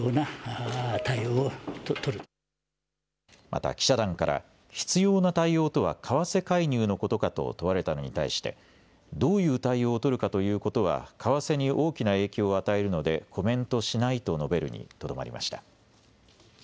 また記者団から必要な対応とは為替介入のことかと問われたのに対して、どういう対応を取るかということは為替に大きな影響を与えるのでコメントしないと述べるにとどまりました。